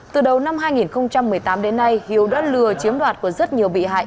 từ đầu năm hai nghìn một mươi tám đến nay hiếu đã lừa chiếm đoạt của rất nhiều bị hại